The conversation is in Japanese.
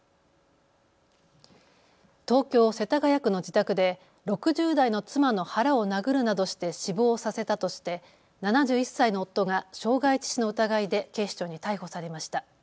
東京世田谷区の自宅で６０代の妻の腹を殴るなどして死亡させたとして７１歳の夫が傷害致死の疑いで警視庁に逮捕されました。